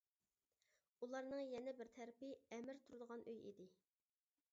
ئۇلارنىڭ يەنە بىر تەرىپى ئەمىر تۇرىدىغان ئۆي ئىدى.